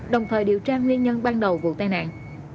đồng thời điều tra nguyên nhân ban đầu vụ tai nạn